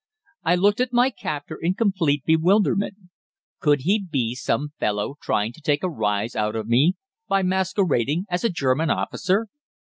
"I looked at my captor in complete bewilderment. Could he be some fellow trying to take a rise out of me by masquerading as a German officer?